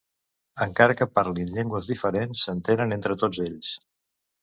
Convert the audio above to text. Encara que parlin llengües diferents, s'entenen entre tots ells.